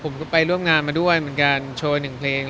ผมก็ไปร่วมงานมาด้วยเหมือนกันโชว์หนึ่งเพลง